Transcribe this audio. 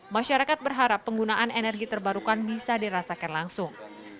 masyarakat berharap penggunaan energi terbarukan bisa dirasakan langsung